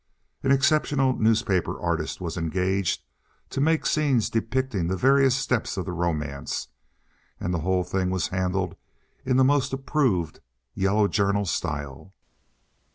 An exceptional newspaper artist was engaged to make scenes depicting the various steps of the romance and the whole thing was handled in the most approved yellow journal style.